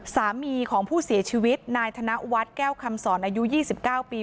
สามีของผู้เสียชีวิตนายธนวัฒน์แก้วคำสอนอายุ๒๙ปี